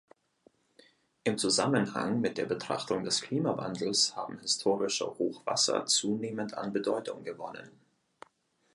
Im Zusammenhang mit der Betrachtung des Klimawandels haben historische Hochwasser zunehmend an Bedeutung gewonnen.